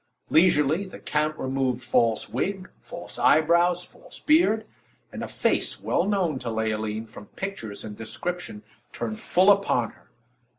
Leisurely, the count removed false wig, false eyebrows, false beard; and a face well known to Leoline, from pictures and description, turned full upon her.